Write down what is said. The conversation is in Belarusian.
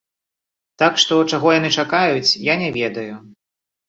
Так што, чаго яны чакаюць, я не ведаю.